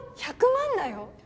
１００万だよ